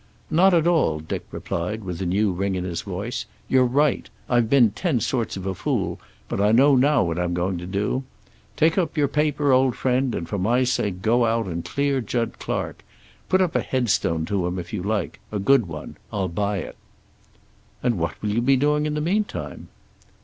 "Not at all," Dick replied, with a new ring in his voice. "You're right. I've been ten sorts of a fool, but I know now what I'm going to do. Take your paper, old friend, and for my sake go out and clear Jud Clark. Put up a headstone to him, if you like, a good one. I'll buy it." "And what will you be doing in the meantime?"